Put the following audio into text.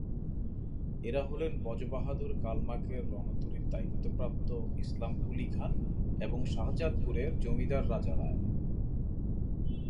এরা হলেন বজবাহাদুর কালমাকের রণতরীর দায়িত্বপ্রাপ্ত ইসলাম কুলি খান এবং শাহজাদপুরের জমিদার রাজা রায়।